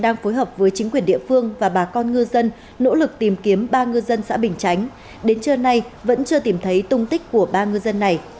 ba ngư dân xã bình chánh đến trưa nay vẫn chưa tìm thấy tung tích của ba ngư dân này